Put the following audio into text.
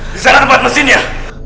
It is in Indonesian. disana tempat mesinnya